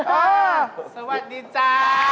อ้าวสวัสดีจ้า